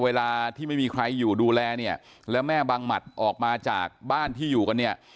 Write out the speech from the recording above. เวลาที่ไม่มีใครอยู่ดูแลเนี่ยแล้วแม่บังหมัดออกมาจากบ้านที่อยู่กันเนี่ย